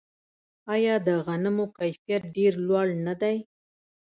آیا د غنمو کیفیت ډیر لوړ نه دی؟